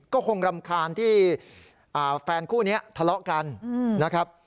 ก็คงรำคาญที่แฟนคู่นี้ทะเลาะกันนะครับ